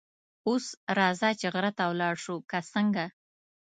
اوس راځه چې غره ته ولاړ شو، که څنګه؟